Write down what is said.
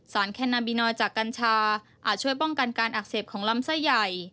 แคนาบินอจากกัญชาอาจช่วยป้องกันการอักเสบของลำไส้ใหญ่